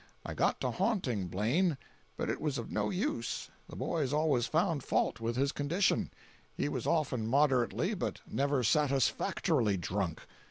I got to haunting Blaine; but it was of no use, the boys always found fault with his condition; he was often moderately but never satisfactorily drunk.